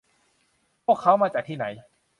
พวกเค้ามาจากที่ไหน